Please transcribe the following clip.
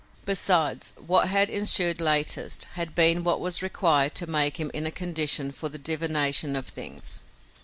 Besides, what had ensued latest had been what was required to make him in a condition for the divination of things.